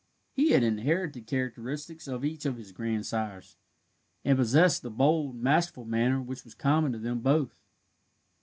He had inherited characteristics of each of his grandsires, and possessed the bold, masterful manner which was common to them both.